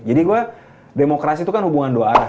jadi gue demokrasi itu kan hubungan dua arah